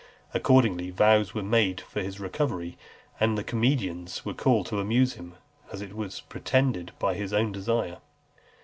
Accordingly, vows were made for his recovery, and comedians were called to amuse him, as it was pretended, by his own desire.